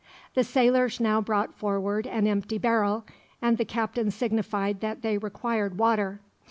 The sailors now brought forward an empty barrel, and the captain signified that they required water.